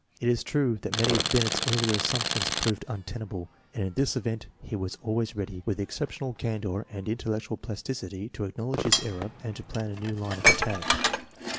It is true that many of Binet's earlier assumptions proved untenable, and in this event he was always ready, with exceptional candor and intellectual plasticity, to acknowledge his error and to plan a new line of attack.